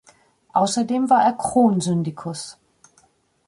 Außerdem war er Kronsyndikus.